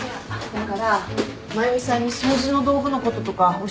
だから真由美さんに掃除の道具のこととか教えてほしいと思って。